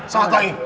salah satu lagi